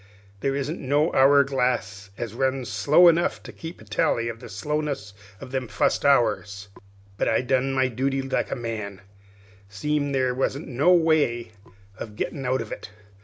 There isn't no hour glass as runs slow enough to keep a tally of the slowness of them fust hours. But I done my duty like a man, seem' there wasn't no way of gettin' out of it.